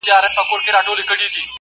انا ته د ماشوم خندا ډېره مرموزه ښکارېده.